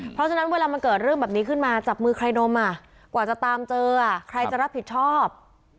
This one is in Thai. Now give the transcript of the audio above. เพราะฉะนั้นเวลามันเกิดเรื่องแบบนี้ขึ้นมาจับมือใครนมกว่าจะตามเจอใครจะรับผิดชอบ